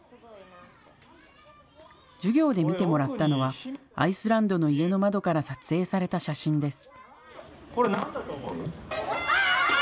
授業で見てもらったのは、アイスランドの家の窓から撮影された写真です。